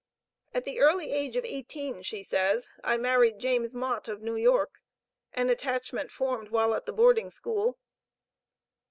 "At the early age of eighteen," she says, "I married James Mott, of New York an attachment formed while at the boarding school."